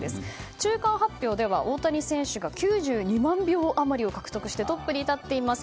中間発表では大谷選手が９２万票余りを獲得してトップに立っています。